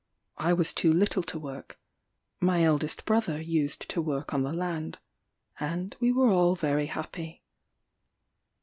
I was too little to work; my eldest brother used to work on the land; and we were all very happy.